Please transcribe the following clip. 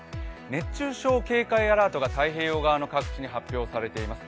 熱中症警戒アラートが太平洋側の各地に発表されています。